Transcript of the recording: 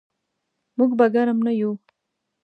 موږ به ګرم نه یو.